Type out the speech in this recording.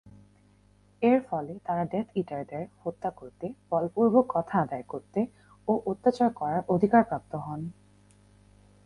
এর ফলে তারা ডেথ ইটারদের হত্যা করতে, বলপূর্বক কথা আদায় করতে ও অত্যাচার করার অধিকার প্রাপ্ত হন।